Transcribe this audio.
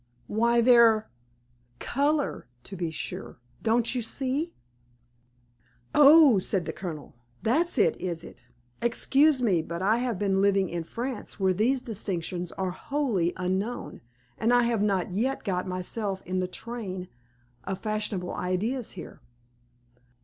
"Why, their color, to be sure. Don't you see?" "Oh!" said the Colonel. "That's it, is it? Excuse me, but I have been living in France, where these distinctions are wholly unknown, and I have not yet got myself in the train of fashionable ideas here."